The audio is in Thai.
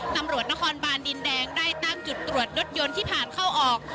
ตำรวจนครบานดินแดงได้ตั้งจุดตรวจรถยนต์ที่ผ่านเข้าออก